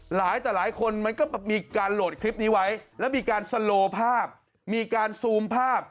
หลายคนมันก็มีการโหลดคลิปนี้ไว้แล้วมีการสโลภาพมีการซูมภาพ